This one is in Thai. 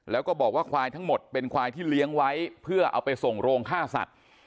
แล้วก็บอกว่าควายทั้งหมดเป็นควายที่เลี้ยงไว้เพื่อเอาไปส่งโรงฆ่าสัตว์